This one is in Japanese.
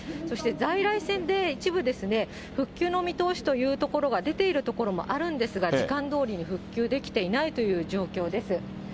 そして在来線で一部、復旧の見通しという所が出ている所もあるんですが、時間どおりに復旧できていないという状況です。